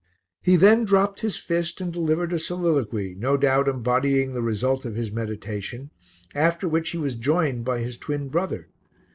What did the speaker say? He then dropped his fist and delivered a soliloquy, no doubt embodying the result of his meditation, after which he was joined by his twin brother.